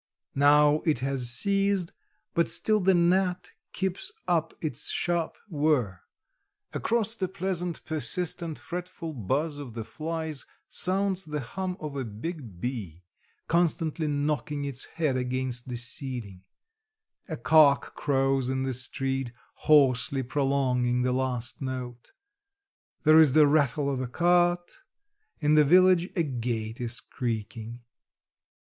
Now it has ceased, but still the gnat keeps up its sharp whirr; across the pleasant, persistent, fretful buzz of the flies sounds the hum of a big bee, constantly knocking its head against the ceiling; a cock crows in the street, hoarsely prolonging the last note; there is the rattle of a cart; in the village a gate is creaking.